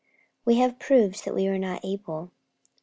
We have proved that we were not able.